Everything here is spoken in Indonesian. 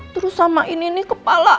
terus sama ini nih kepala